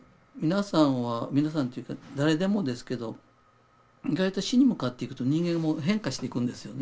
皆さんというか誰でもですけど意外と死に向かっていくと人間も変化していくんですよね